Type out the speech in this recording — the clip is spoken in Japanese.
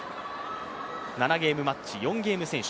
７ゲームマッチ、４ゲーム先取。